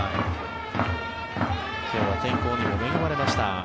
今日は天候にも恵まれました。